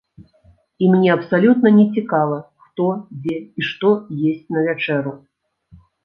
І мне абсалютна не цікава, хто, дзе і што есць на вячэру!